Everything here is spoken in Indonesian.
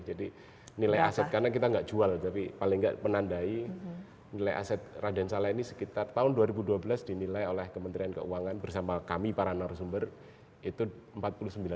jadi nilai aset karena kita tidak jual tapi paling tidak menandai nilai aset raden sala ini sekitar tahun dua ribu dua belas dinilai oleh kementerian keuangan bersama kami para narasumber itu empat puluh sembilan miliar